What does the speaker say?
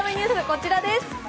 こちらです。